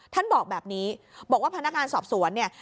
ท่านบอกแบบนี้บอกว่าพนักงานสอบสวนเนี่ย